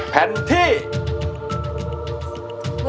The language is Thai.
แผ่นที่วัน๔ครับ